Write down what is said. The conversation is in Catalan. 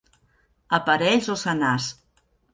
A parells o senars.